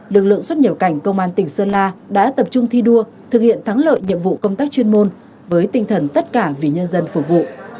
lực lượng xuất nhập cảnh công an tỉnh sơn la đã tập trung thi đua thực hiện thắng lợi nhiệm vụ công tác chuyên môn với tinh thần tất cả vì nhân dân phục vụ